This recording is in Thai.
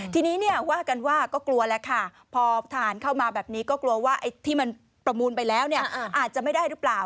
ทีนี้เนี่ยว่ากันว่าก็กลัวแล้วค่ะพอทหารเข้ามาแบบนี้ก็กลัวว่าไอ้ที่มันประมูลไปแล้วเนี่ยอาจจะไม่ได้หรือเปล่า